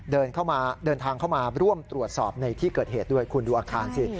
เดินทางเข้ามาร่วมตรวจสอบในที่เกิดเหตุด้วยคุณดูอาคารสิ